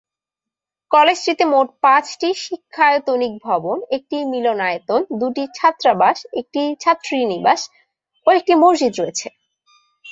কলেজটিতে মোট পাঁচটি শিক্ষায়তনিক ভবন, একটি মিলনায়তন, দুইটি ছাত্রাবাস, একটি ছাত্রীনিবাস ও একটি মসজিদ রয়েছে।